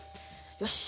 よし。